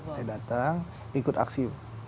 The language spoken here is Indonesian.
saya datang ikut aksi